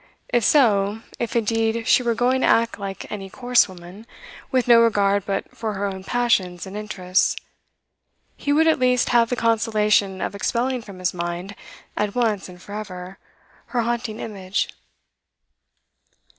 If so, if indeed she were going to act like any coarse woman, with no regard but for her own passions and Interests, he would at least have the consolation of expelling from his mind, at once and for ever, her haunting image.